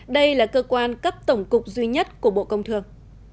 đây là cơ quan cấp tổng cục duy nhất của bộ công thương